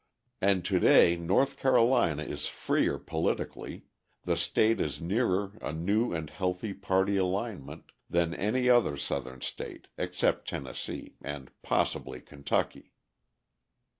And to day North Carolina is freer politically, the state is nearer a new and healthy party alignment, than any other Southern state except Tennessee and possibly Kentucky.